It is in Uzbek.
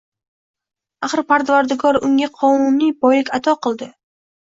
Axir Parvardigor unga qonuniy boylik ato qildi